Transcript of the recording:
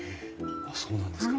あっそうなんですか。